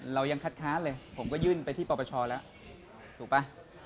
เรายังคัดค้านเลยผมก็ยื่นไปที่ปปชแล้วถูกป่ะ